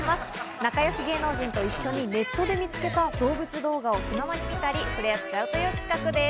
仲よし芸能人と一緒にネットで見つけた動物動画を気ままに見たり、触れ合っちゃうという企画です。